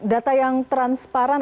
data yang transparan